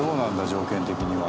条件的には。